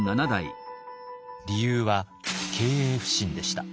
理由は経営不振でした。